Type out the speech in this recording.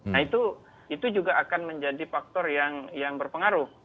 nah itu juga akan menjadi faktor yang berpengaruh